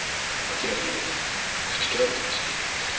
明らかに拭き取られてますねぇ。